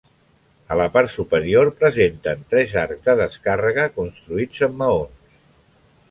A la part superior presenten tres arcs de descàrrega construïts amb maons.